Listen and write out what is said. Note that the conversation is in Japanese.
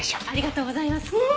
ありがとうございます。